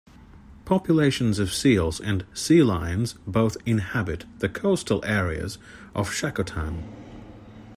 Populations of seals and sea lions both inhabit the coastal areas of Shakotan.